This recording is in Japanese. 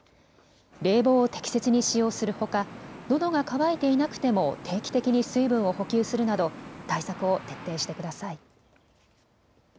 冷房を適切に使用するほかのどが渇いていなくても定期的に水分を補給するなど対策を徹底してください。